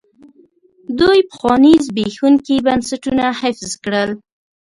دوی پخواني زبېښونکي بنسټونه حفظ کړل.